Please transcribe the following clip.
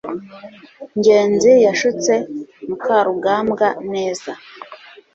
ngenzi yashutse mukarugambwa neza